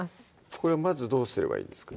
これまずどうすればいいですか？